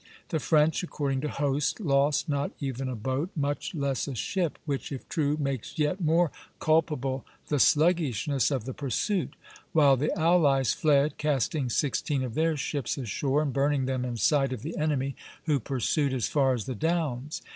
The French, according to Hoste, lost not even a boat, much less a ship, which, if true, makes yet more culpable the sluggishness of the pursuit; while the allies fled, casting sixteen of their ships ashore and burning them in sight of the enemy, who pursued as far as the Downs.